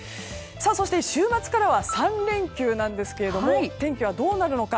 そして、週末からは３連休ですが天気はどうなるのか。